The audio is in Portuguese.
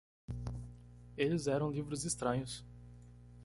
Eles eram livros estranhos.